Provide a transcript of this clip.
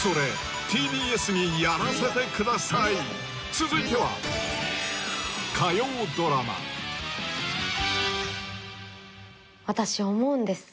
続いては私思うんです